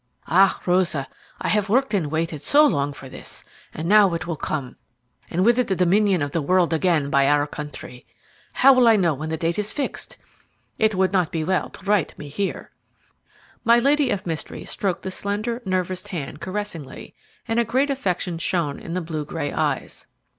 "Ah, Rosa, I have worked and waited so long for this, and now it will come, and with it the dominion of the world again by our country. How will I know when the date is fixed? It would not be well to write me here." My lady of mystery stroked the slender, nervous hand caressingly, and a great affection shone in the blue gray eyes.